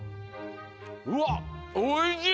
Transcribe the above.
うわっおいしい！